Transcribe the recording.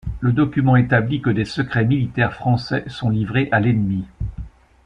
Le document établit que des secrets militaires français sont livrés à l'ennemi.